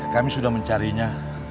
kami sudah mencarinya